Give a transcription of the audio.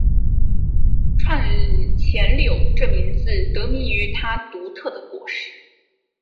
串钱柳这名字得名于它独特的果实。